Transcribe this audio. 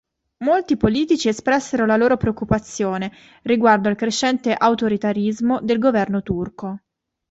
Molti politici espressero la loro preoccupazione riguardo al crescente autoritarismo del governo turco.